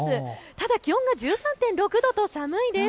ただ気温が１３．６度と寒いです。